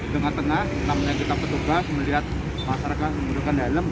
dengan tengah namanya kita petugas melihat masyarakat menundukkan helm